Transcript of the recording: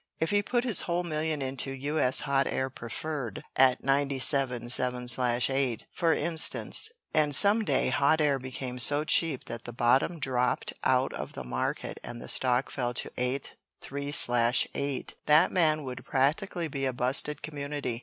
If he put his whole million into U. S. Hot Air Preferred, at 97 7/8, for instance, and some day Hot Air became so cheap that the bottom dropped out of the market, and the stock fell to 8 3/8 that man would practically be a busted community.